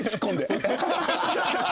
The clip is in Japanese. ハハハ！